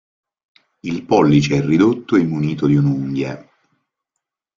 Il pollice è ridotto e munito di un'unghia.